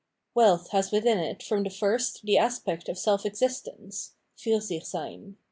Wealth has within it from the first the aspect of self existence {Fursichseiri).